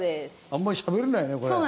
あんまりしゃべれないねこれ。